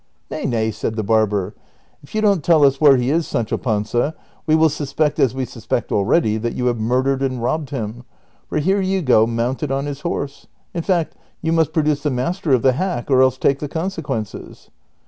" Nay, nay," said the barber, '' if you don't tell us where he is, Sancho Panza, we will suspect, as we suspect already, that you have murdered and robbed him, for here you are mounted on his horse; in fact, you must produce the master of the hack, or else take the consequences."